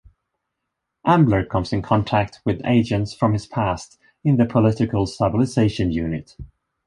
Ambler comes in contact with agents from his past in the Political Stabilization Unit.